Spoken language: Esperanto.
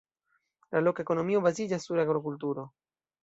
La loka ekonomio baziĝas sur agrokulturo.